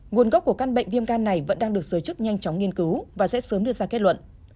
nguồn gốc của căn bệnh viêm gan này vẫn đang được giới chức nhanh chóng nghiên cứu và sẽ sớm đưa ra kết luận